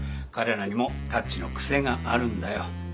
彼らにもタッチの癖があるんだよ。